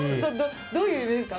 どういう夢ですか？